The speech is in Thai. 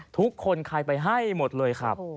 ทุกคนใครไปให้หมดเลยครับ